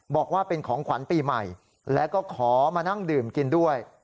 บอกว่าเป็นของขวัญปีใหม่แล้วก็ขอมานั่งดื่มกินด้วย